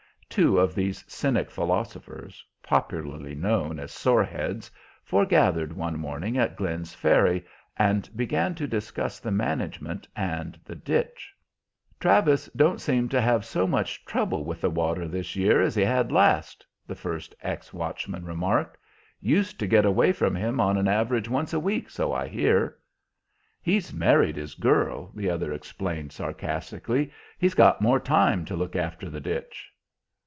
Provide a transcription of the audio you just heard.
Two of these cynic philosophers, popularly known as sore heads, foregathered one morning at Glenn's Ferry and began to discuss the management and the ditch. "Travis don't seem to have so much trouble with the water this year as he had last," the first ex watchman remarked. "Used to get away with him on an average once a week, so I hear." "He's married his girl," the other explained sarcastically. "He's got more time to look after the ditch."